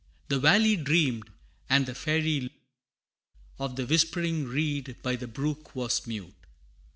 The valley dreamed, and the fairy lute Of the whispering reed by the brook was mute.